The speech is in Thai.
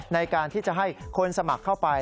ในการที่จะให้คนสมัครเข้าไป